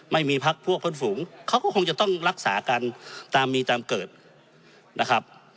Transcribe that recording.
ไม่มีพักพวกเพื่อนฝูงเขาก็คงจะต้องรักษากันตามมีตามเกิดนะครับ